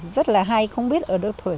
rất là hay không biết là gì